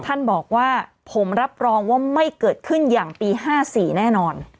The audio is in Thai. ท่านบอกว่าผมรับรองว่าไม่เกิดขึ้นอย่างปี๕๔แน่นอน